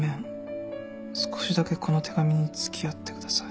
少しだけこの手紙に付き合って下さい」